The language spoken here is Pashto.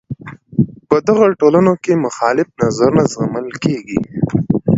په دغو ټولنو کې مخالف نظرونه زغمل کیږي.